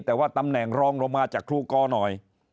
แต่ว่าตำแหน่งรองลงมาจากครูกอหน่อย